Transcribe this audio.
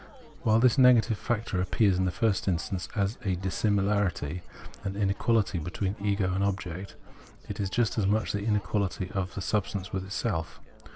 While this negative factor appears in the first instance as a dissimilarity, as an inequality, between ego and object, it is just as much the inequality of the substance with itself.